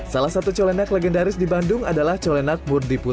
salah satu colenak legendaris di bandung adalah colenak murni putri